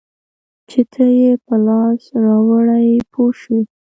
چې ته یې په لاس راوړې پوه شوې!.